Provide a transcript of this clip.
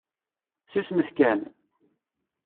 Susmet kan!